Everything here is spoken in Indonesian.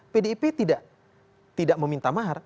pdip tidak meminta mahar